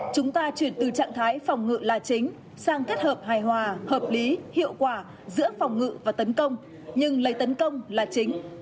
chúng ta chuyển từ trạng thái phòng ngự là chính sang kết hợp hài hòa hợp lý hiệu quả giữa phòng ngự và tấn công nhưng lấy tấn công là chính